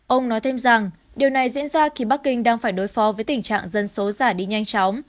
ông nói thêm rằng điều này diễn ra khi bắc kinh đang phải đối phó với tình trạng dân số giả đi nhanh chóng